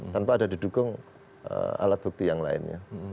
tanpa ada didukung alat bukti yang lainnya